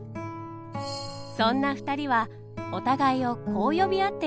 そんな２人はお互いをこう呼び合っていたようです。